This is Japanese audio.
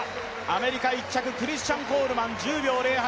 アメリカクリスチャン・コールマン１０秒０８。